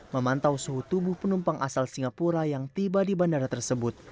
memantau suhu tubuh penumpang asal singapura yang tiba di bandara tersebut